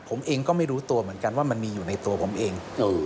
ผมเองก็ไม่รู้ตัวเหมือนกันว่ามันมีอยู่ในตัวผมเอง